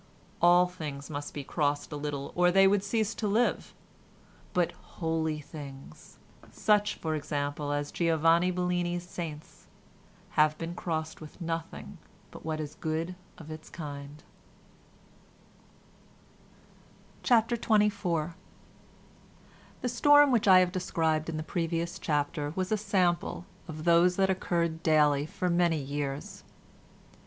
All things must be crossed a little or they would cease to live—but holy things, such for example as Giovanni Bellini's saints, have been crossed with nothing but what is good of its kind, CHAPTER XXIV The storm which I have described in the previous chapter was a sample of those that occurred daily for many years.